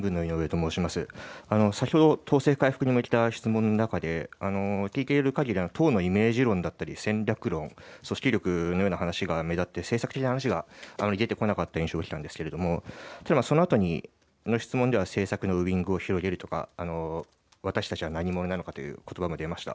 先ほど、党勢回復に向けた質問の中で、聞いているかぎり、党のイメージ論だったり戦略論、組織力のような話が目立って、政策的な話が出てこなかった印象があったんですけれども、そのあとの質問では、政策のウイングを広げるとか、私たちは何者なのかということばも出ました。